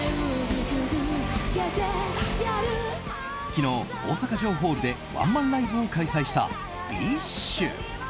昨日、大阪城ホールでワンマンライブを開催したＢｉＳＨ。